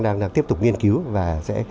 đang tiếp tục nghiên cứu và sẽ